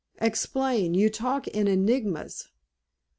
"Explain. You talk in enigmas."